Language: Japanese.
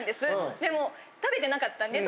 でも食べてなかったんで。